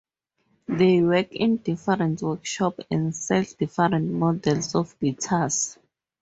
They work in different workshops and sell different models of guitars.